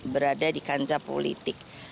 berada di kancah politik